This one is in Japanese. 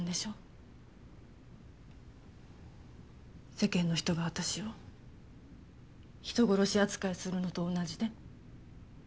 世間の人が私を人殺し扱いするのと同じで。